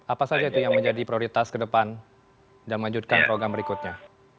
apa saja itu yang menjadi prioritas ke depan dan melanjutkan program berikutnya